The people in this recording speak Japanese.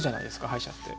歯医者って。